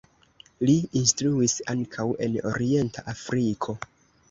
Li instruis ankaŭ en Orienta Afriko.